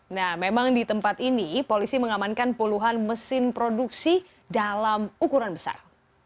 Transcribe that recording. nah memang di tempat ini polisi mengamankan puluhan mesin produksi dalam ukuran besar